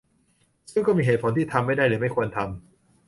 ซึ่งก็มีเหตุผลที่ทำไม่ได้หรือไม่ควรทำ